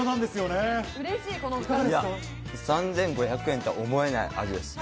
３５００円とは思えない味です。